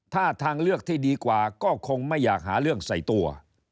ถ้าทางเลือกที่ดีกว่าก็คงไม่อยากหาเรื่องใส่ตัว